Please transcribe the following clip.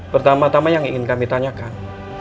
pertama tama yang ingin kami tanyakan